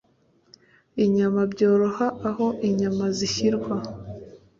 inyama byoroha Aho inyama zishyirwa